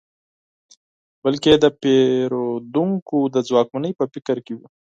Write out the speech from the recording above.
بلکې د پېرودونکو د ځواکمنۍ په فکر کې وي.